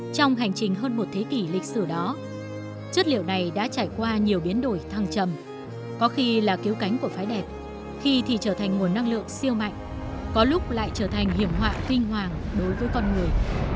trong hành trình hơn một thế kỷ lịch sử đó chất liệu này đã trải qua nhiều biến đổi thăng trầm có khi là cứu cánh của phái đẹp khi thì trở thành nguồn năng lượng siêu mạnh có lúc lại trở thành hiểm họa kinh hoàng đối với con người